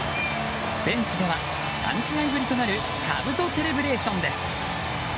ベンチでは、３試合ぶりとなるかぶとセレブレーションです。